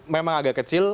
memang agak kecil